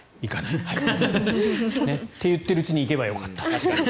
って言っているうちに行けばよかった。